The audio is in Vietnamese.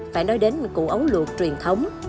phải nói đến củ ấu luộc truyền thống